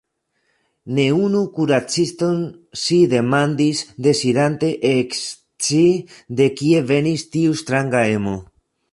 Ne unu kuraciston ŝi demandis dezirante ekscii, de kie venis tiu stranga emo.